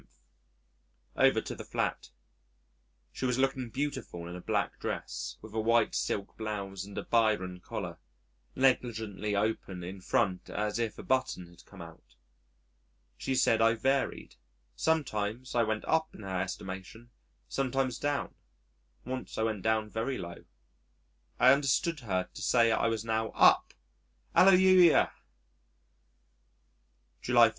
Over to the flat. She was looking beautiful in a black dress, with a white silk blouse, and a Byron collar, negligently open in front as if a button had come out. She said I varied: sometimes I went up in her estimation, sometimes down; once I went down very low. I understood her to say I was now UP! Alleluia! July 14.